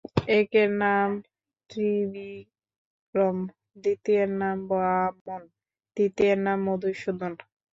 একের নাম ত্রিবিক্রম, দ্বিতীয়ের নাম বামন, তৃতীয়ের নাম মধুসূদন।